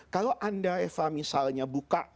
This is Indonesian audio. kalau anda misalnya buka